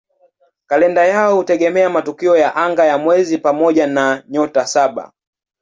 Kalenda yao hutegemea matukio ya anga ya mwezi pamoja na "Nyota Saba".